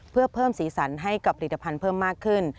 เพื่อเพิ่มสีสันให้กับผลิตภัณฑ์เพิ่มมากขึ้น